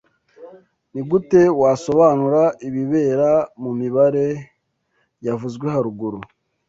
Nigute wasobanura ibibera mumibare yavuzwe haruguru